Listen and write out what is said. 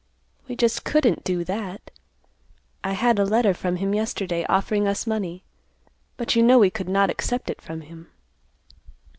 "We just couldn't do that. I had a letter from him yesterday offering us money, but you know we could not accept it from him."